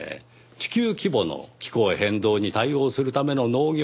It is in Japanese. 地球規模の気候変動に対応するための農業工学。